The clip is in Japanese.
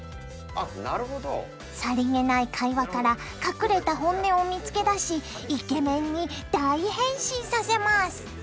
さりげない会話から隠れた本音を見つけ出しイケメンに大変身させます！